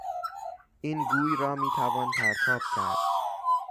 این گوی را میتوان پرتاب کرد.